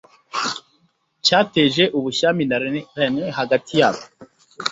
cyateje ubushyamirane hagati yabo